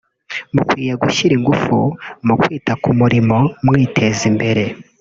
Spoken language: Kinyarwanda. […] mukwiye gushyira ingufu mu kwita ku murimo mwiteza imbere